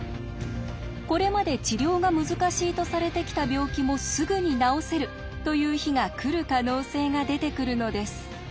これまで治療が難しいとされてきた病気もすぐに治せるという日が来る可能性が出てくるのです。